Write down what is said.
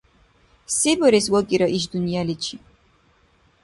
Се барес вакӏира иш дунъяличи?